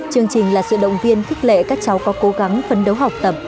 chương trình là sự động viên khích lệ các cháu có cố gắng phấn đấu học tập